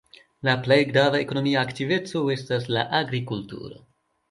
La plej grava ekonomia aktiveco estas la agrikulturo.